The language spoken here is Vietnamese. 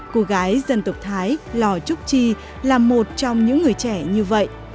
cô gái dân tộc thái lò trúc chi là một trong những người trẻ như vậy